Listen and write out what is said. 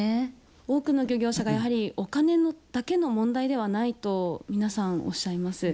多くの漁業者がやはりお金だけの問題ではないと皆さん、おっしゃいます。